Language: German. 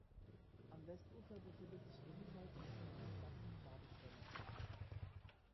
Am Westufer befindet sich ebenfalls ein Campingplatz mit Badestelle.